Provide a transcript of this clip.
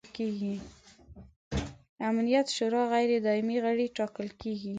د امنیت شورا غیر دایمي غړي ټاکل کیږي.